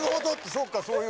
そっかそういう。